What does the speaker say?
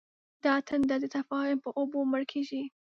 دا تنده د تفاهم په اوبو مړ کېږي.